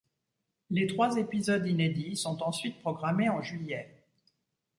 Les trois épisodes inédits sont ensuite programmés en juillet.